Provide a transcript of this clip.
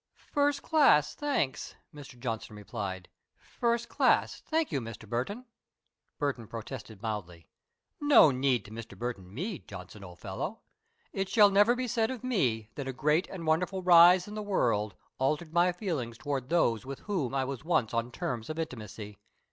"First class, thanks," Mr. Johnson replied. "First class, thank you, Mr. Burton." Burton protested mildly. "No need to 'Mr. Burton' me, Johnson, old fellow! It shall never be said of me that a great and wonderful rise in the world altered my feelings towards those with whom I was once on terms of intimacy.